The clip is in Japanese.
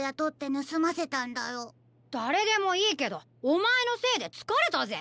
だれでもいいけどおまえのせいでつかれたぜ。